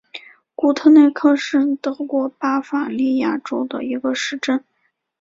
古特内克是德国巴伐利亚州的一个市镇。